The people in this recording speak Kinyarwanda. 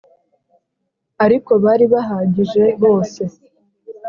ariko bari bahagije bose